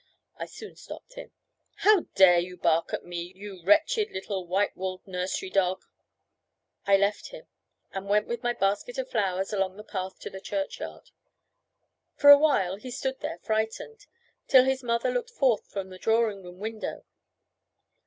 I soon stopped him. "How dare you bark at me, you wretched little white woolled nursery dog?" I left him, and went with my basket of flowers along the path to the churchyard. For a while he stood there frightened, till his mother looked forth from the drawing room window.